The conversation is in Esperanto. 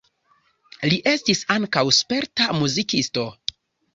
Li estis ankaŭ sperta muzikisto.